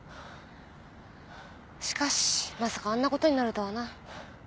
しかしまさかあんなことになるとはな。